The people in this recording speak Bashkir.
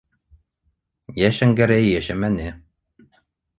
Йә Шәңгәрәйе йәшәмәне.